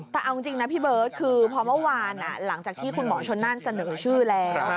แต่เอาจริงนะพี่เบิร์ตคือพอเมื่อวานหลังจากที่คุณหมอชนนั่นเสนอชื่อแล้ว